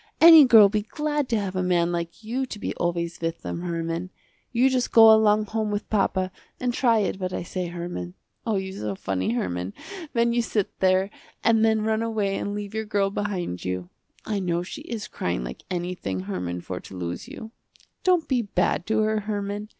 Any girl be glad to have a man like you to be always with them Herman. You just go along home with papa and try it what I say, Herman. Oh you so funny Herman, when you sit there, and then run away and leave your girl behind you. I know she is crying like anything Herman for to lose you. Don't be bad to her Herman.